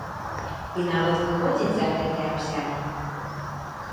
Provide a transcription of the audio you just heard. І нават выходзіць за гэтыя абсягі.